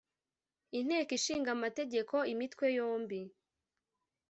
Inteko ishinga amategeko imitwe yombi